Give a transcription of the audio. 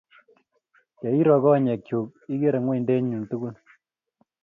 Ye iro konyek chuk, ikere ng'wendunyun tukul.